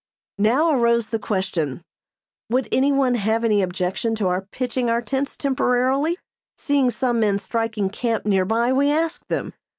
Now arose the question, would any one have any objection to our pitching our tents temporarily? Seeing some men striking camp near by we asked them.